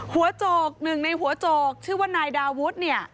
โจกหนึ่งในหัวโจกชื่อว่านายดาวุฒิเนี่ย